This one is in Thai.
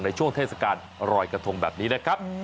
ช่วงเทศกาลรอยกระทงแบบนี้นะครับ